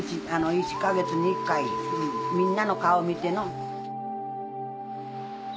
１か月に１回みんなの顔見てのぅ。